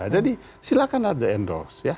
jadi silakan aja endorse ya